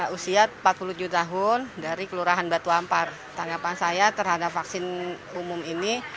usia empat puluh tujuh tahun dari kelurahan batu ampar tanggapan saya terhadap vaksin umum ini